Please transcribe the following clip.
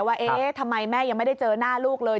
ว่าเอ๊ะทำไมแม่ยังไม่ได้เจอหน้าลูกเลย